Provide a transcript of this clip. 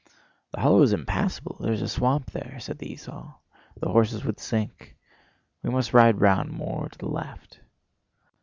"The hollow is impassable—there's a swamp there," said the esaul. "The horses would sink. We must ride round more to the left...."